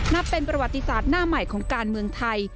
นับเป็นประวัติศาสตร์หน้าใหม่ของการเมืองไทย